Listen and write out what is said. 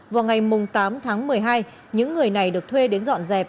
vào ngày tám tháng một mươi hai những người này được thuê đến dọn dẹp